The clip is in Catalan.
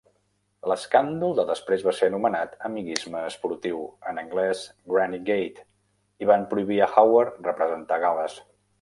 L'escàndol de després va ser anomenat "amiguisme esportiu" (en anglès "grannygate") i van prohibir a Howard representar Gal·les.